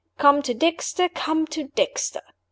Come to Dexter! Come to Dexter!"